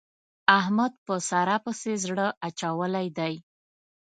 احمد په سارا پسې زړه اچولی دی.